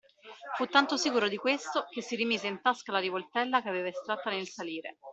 Fu tanto sicuro di questo, che si rimise in tasca la rivoltella che aveva estratta nel salire.